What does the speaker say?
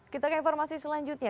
kita ke informasi selanjutnya